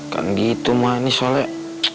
kan gitu mbak ini sholat